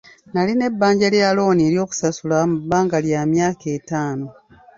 Nalina ebbanja lya looni ery'okusasula mu bbanga lya myaka etaano.